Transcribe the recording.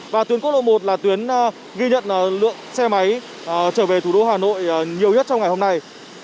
và tuyến quốc lộ một là tuyến ghi nhận lượng xe máy trở về thủ đô hà nội nhiều nhất trong ngày hôm nay